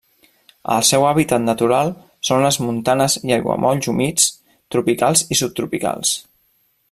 El seu hàbitat natural són les montanes i aiguamolls humits tropicals i subtropicals.